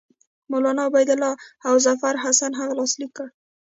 مولنا عبیدالله او ظفرحسن هغه لاسلیک کړه.